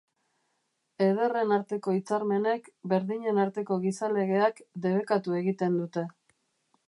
Ederren arteko hitzarmenek, berdinen arteko gizalegeak, debekatu egiten dute.